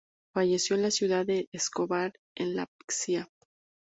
Fallecido en la ciudad de Escobar en la Pcia.